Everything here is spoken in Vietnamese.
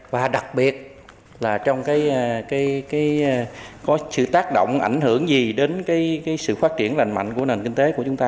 và đặc biệt là trong cái có sự tác động ảnh hưởng gì đến cái sự phát triển lành mạnh của nền kinh tế của chúng ta